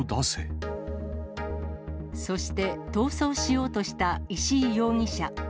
そして、逃走しようとした石井容疑者。